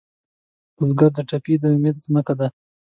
بزګر ته پټی د امید ځمکه ده